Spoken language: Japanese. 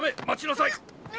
待ちなさい！